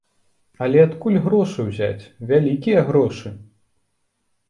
Але адкуль грошы ўзяць, вялікія грошы?